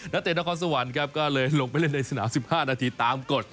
เตะนครสวรรค์ครับก็เลยลงไปเล่นในสนาม๑๕นาทีตามกฎ